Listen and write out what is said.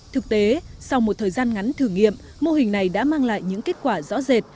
thực tế sau một thời gian ngắn thử nghiệm mô hình này đã mang lại những kết quả rõ rệt